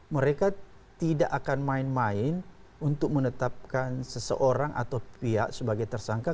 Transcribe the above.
mereka tidak akan main main untuk menetapkan seseorang atau pihak sebagai tersangka